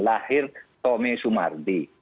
lahir tomei sumardi